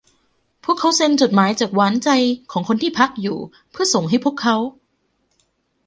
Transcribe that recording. พวกเขาเซ็นจดหมายจากหวานใจของคนที่พักอยู่เพื่อส่งให้พวกเขา